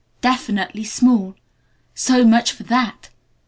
Definitely small. So much for that!